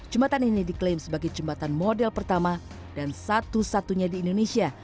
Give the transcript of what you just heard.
jembatan ini diklaim sebagai jembatan model pertama dan satu satunya di indonesia